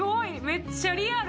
めっちゃリアル！